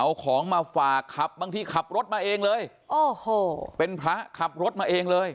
เอาของมาฝากขับบางทีขับรถมาเองเลยโอ้โหเป็นพระขับรถมาเองเลย